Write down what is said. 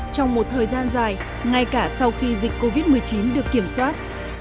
trong một thời gian dài ngay cả sau khi dịch covid một mươi chín được kiểm soát